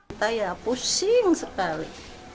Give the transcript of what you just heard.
kita ya pusing sekali